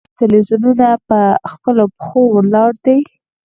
آیا تلویزیونونه په خپلو پښو ولاړ دي؟